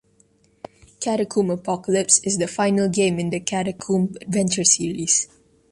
"Catacomb Apocalypse" is the final game in the "Catacomb Adventure Series".